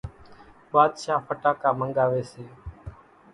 ٻاۮشاھ ڦٽاڪا منڳاوي سي،